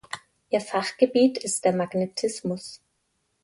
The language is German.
Ihr Fachgebiet ist der Magnetismus.